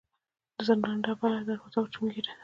د زندان ډبله دروازه وچونګېده.